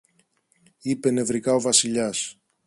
είπε νευρικά ο Βασιλιάς.